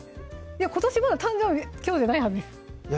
今年まだ誕生日きょうじゃないはずですいや